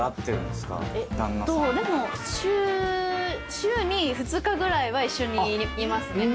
週に２日ぐらいは一緒にいますね。